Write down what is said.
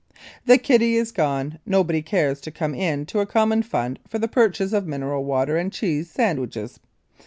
The kitty is gone. Nobody cares to come in to a common fund for the purchase of mineral water and cheese sandwiches.